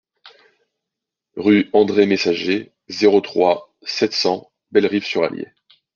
Rue Andre Messager, zéro trois, sept cents Bellerive-sur-Allier